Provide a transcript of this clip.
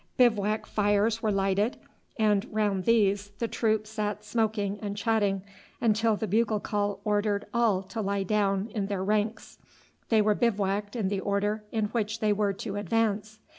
Bivouac fires were lighted, and round these the troops sat smoking and chatting until the bugle call ordered all to lie down in their ranks. They were bivouacked in the order in which they were to advance.